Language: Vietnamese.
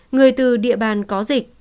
người từ địa bàn có dịch cấp độ ba